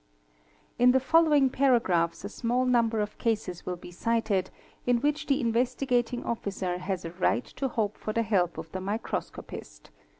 In the following paragraphs a small number of cases will be cited in which the Investigating Officer has a right to hope for the help of the microscopist.